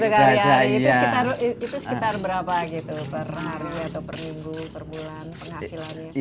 itu sekitar berapa gitu per hari atau per minggu per bulan penghasilannya